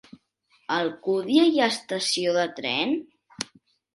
A Alcúdia hi ha estació de tren?